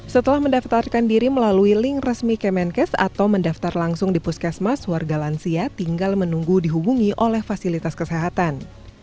setelah mendaftarkan diri melalui link resmi kemenkes atau mendaftar langsung di puskesmas warga lansia tinggal menunggu dihubungi oleh fasilitas kesehatan